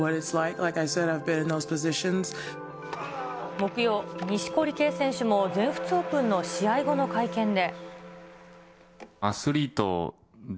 木曜、錦織圭選手も全仏オープンの試合後の会見で。